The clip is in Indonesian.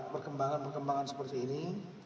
perkembangan perkembangan seperti ini